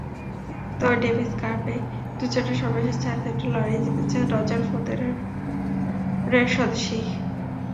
তবে ডেভিস কাপে দুজনের সর্বশেষ চার সেটের লড়াইয়ে জিতেছেন রজার ফেদেরারের স্বদেশিই।